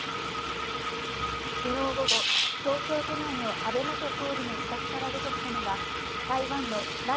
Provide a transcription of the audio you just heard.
昨日午後、東京都内の安倍元総理の自宅から出てきたのは台湾の頼